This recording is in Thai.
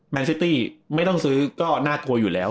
ซิตี้ไม่ต้องซื้อก็น่ากลัวอยู่แล้ว